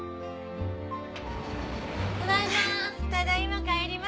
ただいま。